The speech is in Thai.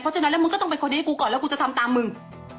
ฉะนั้นแล้วมึงก็ต้องเป็นคนให้กูก่อนแล้วกูจะทำตามมึง